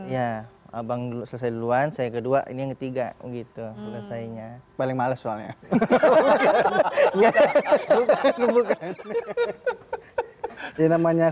ya abang dulu selesai duluan saya kedua ini yang ketiga gitu selesainya paling males soalnya